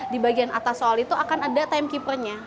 di atas soal itu akan ada timekeeper nya